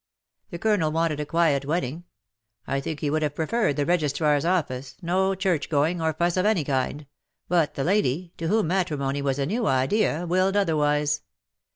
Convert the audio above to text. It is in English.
The Colonel wanted a quiet wed ding. I think he would have preferred the registrar's office — no church going, or fuss of any kind — but the lady, to whom matrimony was a new idea, willed otherwise.